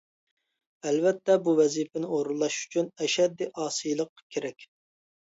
ئەلۋەتتە بۇ ۋەزىپىنى ئورۇنلاش ئۈچۈن ئەشەددىي ئاسىيلىق كېرەك.